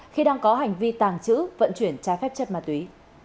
khi đang có hành vi tàng trữ vận chuyển trái phép chất ma túy